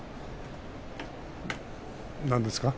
何ですか？